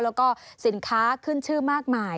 แล้วก็สินค้าขึ้นชื่อมากมาย